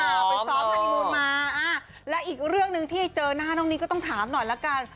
ไปซ้อมฮานีมูลมาอ่าและอีกเรื่องหนึ่งที่เจอหน้าน้องนิดก็ต้องถามหน่อยละกัน